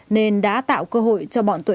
nên đã tạo cơ hội cho bọn tuệ